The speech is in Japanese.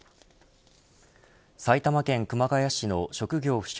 埼玉県熊谷市の職業不詳